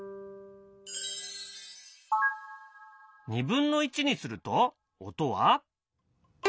２分の１にすると音は。